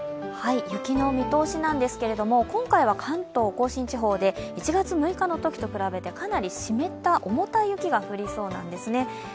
雪の見通しなんですが今回は関東甲信地方で１月６日のときと比べて、かなり湿った重たい雪が降りそうなんですね。